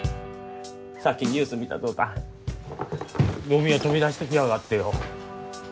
さっきニュース見た途端飲み屋飛び出していきやがってよ。